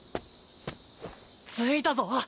着いたぞ。